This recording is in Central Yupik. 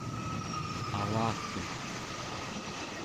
avaken